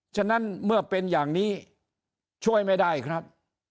ฉะนั้นเมื่อเป็นอย่างนี้ช่วยไม่ได้ครับ